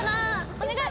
お願い！